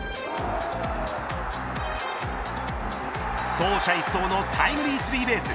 走者一掃のタイムリースリーベース。